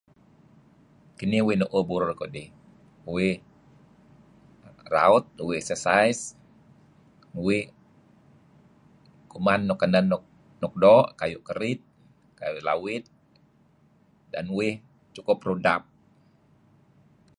Kinih uih nu'uh burur kudih. Uih ... raut, uih sersais, uih kuman nuk kenen nuk doo' kayu' kerid, kayu' lawid dan uih cukup rudap.